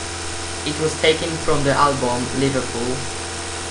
It was taken from the album "Liverpool".